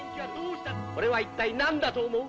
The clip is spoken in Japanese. これは一体何だと思う？